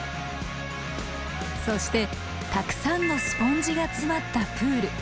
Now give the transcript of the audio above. そしてたくさんのスポンジが詰まったプール。